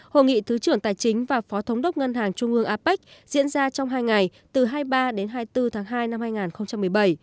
hội nghị thứ trưởng tài chính và phó thống đốc ngân hàng trung ương apec diễn ra trong hai ngày từ hai mươi ba đến hai mươi bốn tháng hai năm hai nghìn một mươi bảy